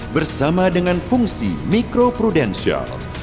bersama dengan fungsi mikro prudensial